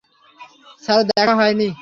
Sir, দেখা হয়নি।